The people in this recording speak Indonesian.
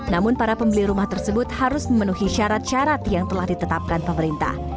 namun para pembeli rumah tersebut harus memenuhi syarat syarat yang telah ditetapkan pemerintah